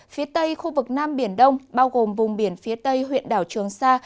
phía tây khu vực nam biển đông bao gồm vùng biển phía tây huyện đảo trường sa